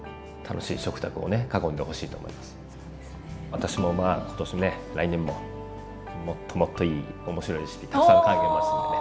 私もまあ今年来年ももっともっといい面白いレシピたくさん考えますんでね。